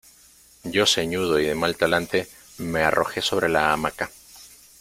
yo ceñudo y de mal talante, me arrojé sobre la hamaca ,